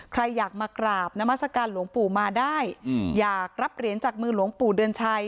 ใครอยากมากราบนามัศกาลหลวงปู่มาได้อยากรับเหรียญจากมือหลวงปู่เดือนชัย